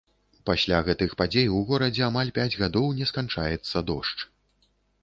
Пасля гэтых падзей у горадзе амаль пяць гадоў не сканчаецца дождж.